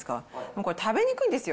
これ、食べにくいんですよ。